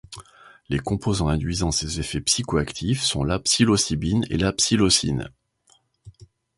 Les composants induisant ses effets psychoactifs sont la psilocybine et la psilocine.